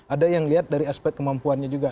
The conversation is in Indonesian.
ada yang lihat dari aspek kemampuannya juga